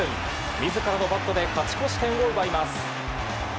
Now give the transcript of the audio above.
自らのバットで勝ち越し点を奪います。